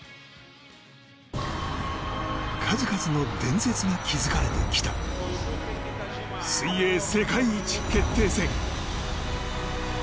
数々の伝説が築かれてきた水泳世界一決定戦。